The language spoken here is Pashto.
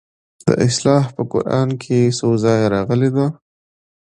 دا اصطلاح په قران کې څو ځایه راغلې ده.